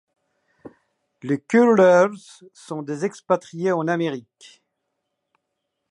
Les curlers sont des expatriés en Amérique.